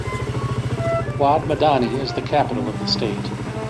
Wad Madani is the capital of the state.